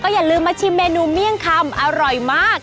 อย่าลืมมาชิมเมนูเมี่ยงคำอร่อยมาก